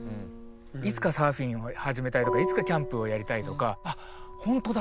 いつかサーフィンを始めたいとかいつかキャンプをやりたいとか「あっほんとだ。